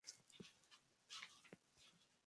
Es más lentamente absorbido que la sacarosa.